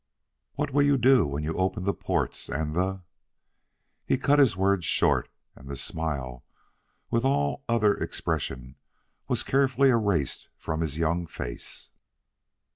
What will you do when you open the ports and the " He cut his words short, and the smile, with all other expression, was carefully erased from his young face.